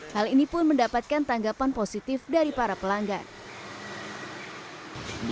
hal ini pun mendapatkan tanggapan positif dari para pelanggan